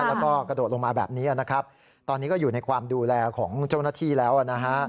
แล้วก็กระโดดลงมาแบบนี้นะครับตอนนี้ก็อยู่ในความดูแลของเจ้าหน้าที่แล้วนะฮะ